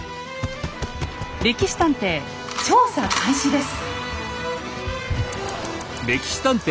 「歴史探偵」調査開始です。